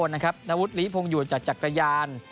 นวุฒิลีพงอยู่จากจักรยาน